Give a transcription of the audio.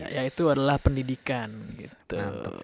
yaitu adalah pendidikan gitu